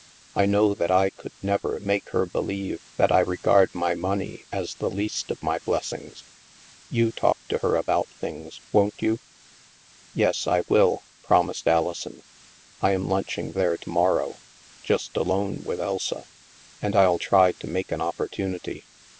I know that I could never make her believe that I regard my money as the least of my blessings. You talk to her about things, won't you ?"" Yes, I will," promised Alison. " I am lunch ing there to morrow — just alone with Elsa — and I'll try to make an opportunity."